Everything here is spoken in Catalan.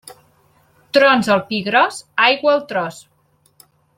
Trons al Pi Gros, aigua al tros.